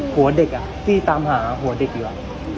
หัวเด็กที่ตามหาหัวเด็กอยู่